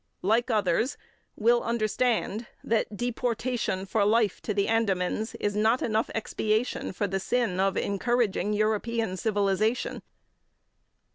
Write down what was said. like others, will understand that deportation for life to the Andamans is not enough expiation for the sin of encouraging European civilization; 18.